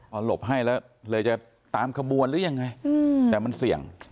เอาหลบให้แล้วเลยจะตามขบวนหรือยังไงแต่มันเสี่ยง